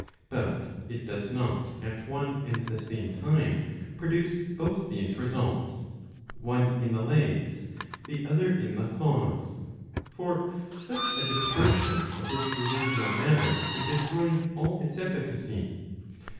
But it does not at one and the same time produce both these results, one in the legs, the other in the claws ; for such a dispersion of this residual matter would destroy all its efiicacy.